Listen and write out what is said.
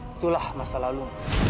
itulah masa lalu